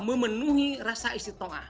memenuhi rasa istiqa'ah